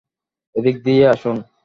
এদিক দিয়ে আসুন!